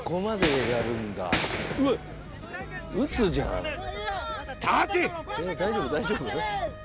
えっ大丈夫大丈夫？